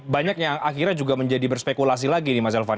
banyak yang akhirnya juga menjadi berspekulasi lagi nih mas elvan